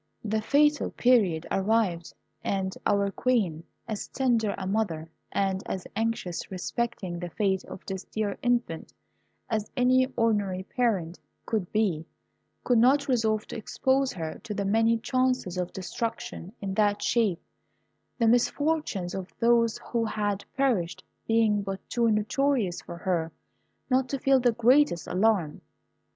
The fatal period arrived, and our Queen, as tender a mother, and as anxious respecting the fate of this dear infant as any ordinary parent could be, could not resolve to expose her to the many chances of destruction in that shape, the misfortunes of those who had perished being but too notorious for her not to feel the greatest alarm.